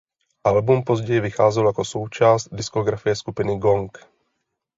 Album později vycházelo jako součást diskografie skupiny Gong.